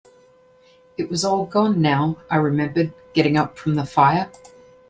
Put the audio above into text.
It was all gone now, I remembered, getting up from the fire.